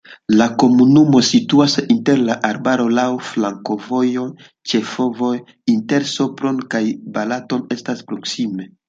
La komunumo situas inter arbaroj, laŭ flankovojoj, ĉefvojo inter Sopron kaj Balatono estas proksime.